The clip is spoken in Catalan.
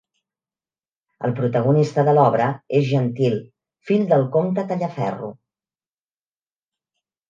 El protagonista de l'obra és Gentil, fill del comte Tallaferro.